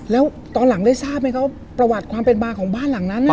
แล้วตอนหลังได้ทราบไหมครับประวัติความเป็นมาของบ้านหลังนั้น